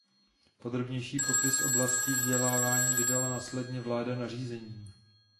Podrobnější popis oblastí vzdělávání vydala následně vláda nařízením.